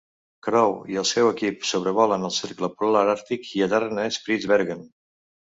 Crowe i el seu equip sobrevolen el cercle polar àrtic i aterren a Spitzbergen.